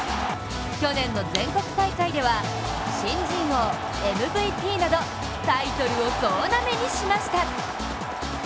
去年の全国大会では、新人王、ＭＶＰなどタイトルを総なめにしました。